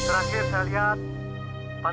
tidak ada yang bisa diambil